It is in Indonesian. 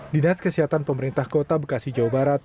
di das kesehatan pemerintah kota bekasi jawa barat